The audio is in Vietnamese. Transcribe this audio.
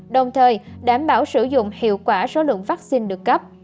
đồng thời đảm bảo sử dụng hiệu quả số lượng vắc xin được cấp